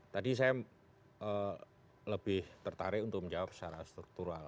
tadi saya lebih tertarik untuk menjawab secara struktural